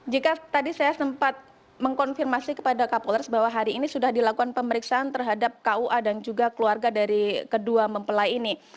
jika tadi saya sempat mengkonfirmasi kepada kapolres bahwa hari ini sudah dilakukan pemeriksaan terhadap kua dan juga keluarga dari kedua mempelai ini